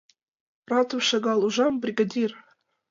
— Ратым шагал ужам, бригадир!